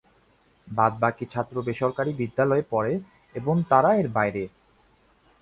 বাদ-বাকী ছাত্র বেসরকারী বিদ্যালয়ে পড়ে ও তারা এর বাইরে।